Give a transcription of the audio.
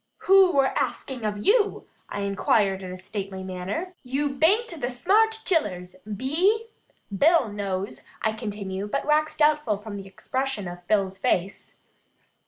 "Who wur axing of you?" I inquire in a stately manner. "You bain't the smarl chillers, be 'e? Bill knows," I continue, but wax doubtful from the expression of Bill's face.